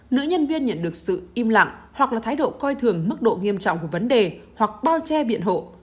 nữ nhân viên nhận được sự im lặng hoặc là thái độ coi thường mức độ nghiêm trọng của vấn đề hoặc bao che biện hộ